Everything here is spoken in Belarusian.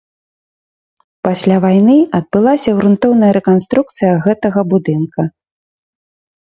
Пасля вайны адбылася грунтоўная рэканструкцыя гэтага будынка.